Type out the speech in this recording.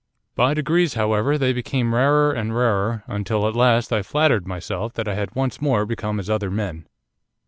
'By degrees, however, they became rarer and rarer, until at last I flattered myself that I had once more become as other men.